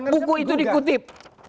buku itu dikutip